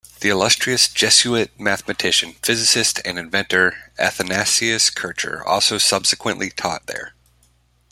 The illustrious Jesuit mathematician, physicist, and inventor Athanasius Kircher also subsequently taught there.